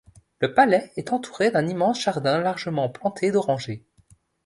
Le Palais est entouré d'un immense jardin largement planté d'orangers.